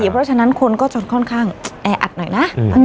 เพราะฉะนั้นคนก็จะค่อนข้างแออัดหน่อยนะ